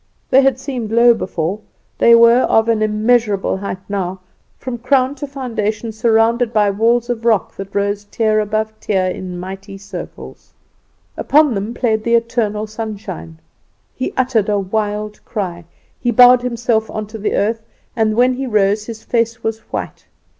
They had seemed low before; they were of an immeasurable height now, from crown to foundation surrounded by walls of rock, that rose tier above tier in mighty circles. Upon them played the eternal sunshine. He uttered a wild cry. He bowed himself on to the earth, and when he rose his face was white.